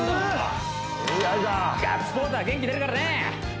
ガッツポーズは元気出るからね！